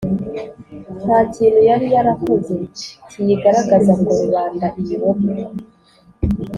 nta kintu yari yarakoze kiyigaragaza ngo rubanda iyibone.